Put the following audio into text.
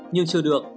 nhưng chưa được